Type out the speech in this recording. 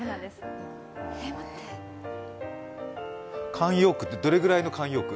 慣用句って、どれくらいの慣用句？